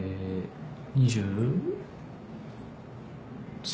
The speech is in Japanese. ２３。